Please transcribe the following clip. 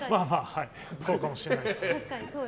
そうかもしれないです。